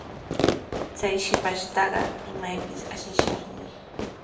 Chay shipashtaqa imaypis ashishaqmi.